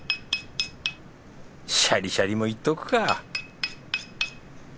シャリシャリもいっとくか